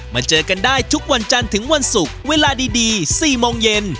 เจอกันได้ทุกวันจันทร์ถึงวันศุกร์เวลาดี๔โมงเย็น